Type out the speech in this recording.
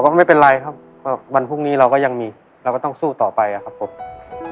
ก็ไม่เป็นไรครับวันพรุ่งนี้เราก็ยังมีเราก็ต้องสู้ต่อไปครับผม